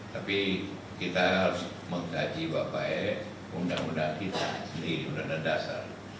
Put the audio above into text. tapi kita harus menggaji undang undang kita sendiri undang undang dasar